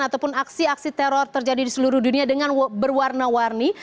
ataupun aksi aksi teror terjadi di seluruh dunia dengan berwarna warni